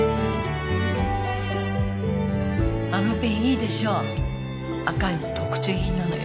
あのペンいいでしょ赤いの特注品なのよ